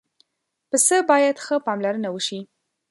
پسه باید ښه پاملرنه وشي.